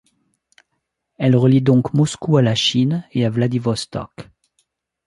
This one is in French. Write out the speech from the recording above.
Elle relie donc Moscou à la Chine et à Vladivostok.